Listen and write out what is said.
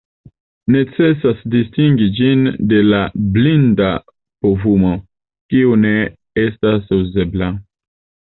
Necesas distingi ĝin de la blinda povumo, kiu ne estas uzebla.